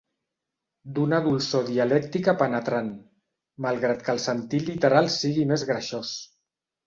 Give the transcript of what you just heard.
D'una dolçor dialèctica penetrant, malgrat que el sentit literal sigui més greixós.